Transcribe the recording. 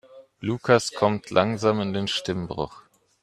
Lukas kommt langsam in den Stimmbruch.